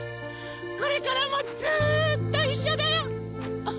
これからもずっといっしょだよ！